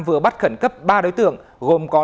vừa bắt khẩn cấp ba đối tượng gồm có